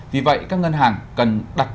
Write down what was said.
vì vậy các ngân hàng cần đặt